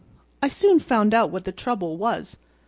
"I soon found out what the trouble was.